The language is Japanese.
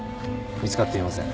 見つかっていません。